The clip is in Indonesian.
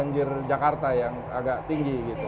banjir jakarta yang agak tinggi gitu